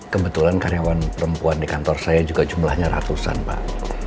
kebetulan karyawan perempuan di kantor saya juga jumlahnya ratusan pak